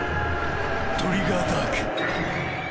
トリガーダーク！